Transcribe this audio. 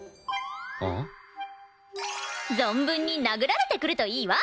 存分に殴られてくるといいわ！